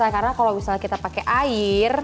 karena kalau kita pakai air